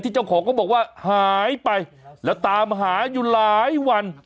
เจ้าของก็บอกว่าหายไปแล้วตามหาอยู่หลายวัน